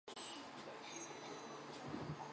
他是表现主义的艺术家。